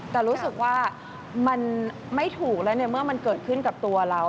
แต่รู้สึกว่ามันไม่ถูกแล้วในเมื่อมันเกิดขึ้นกับตัวเรา